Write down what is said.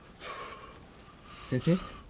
先生？